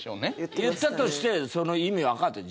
言ったとしてその意味わかってるの？